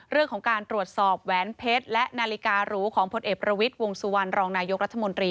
เรื่องของการตรวจสอบแหวนเพชรและนาฬิการูของพลเอกประวิทย์วงสุวรรณรองนายกรัฐมนตรี